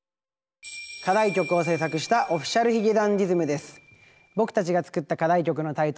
課題曲を制作したＯｆｆｉｃｉａｌ髭男ｄｉｓｍです。